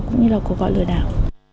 cũng như là cuộc gọi lừa đảo